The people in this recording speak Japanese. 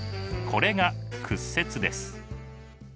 これが屈折です。